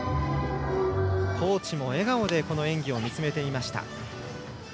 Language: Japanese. コーチも笑顔でこの演技を見つめていました。